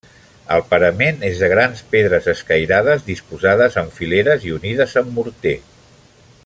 El parament és de grans pedres escairades, disposades en fileres i unides amb morter.